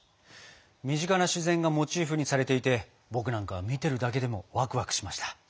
身近な自然がモチーフにされていて僕なんかは見てるだけでもワクワクしました。